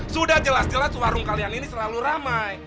sudah jelas jelas warung kalian ini selalu ramai